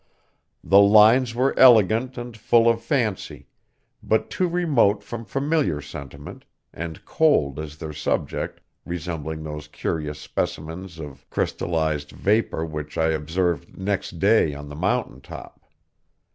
The lines were elegant and full of fancy, but too remote from familiar sentiment, and cold as their subject, resembling those curious specimens of crystallized vapor which I observed next day on the mountain top.